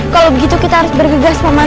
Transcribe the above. kalau begitu kita harus bergegas mama